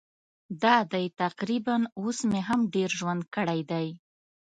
دا دی تقریباً اوس مې هم ډېر ژوند کړی دی.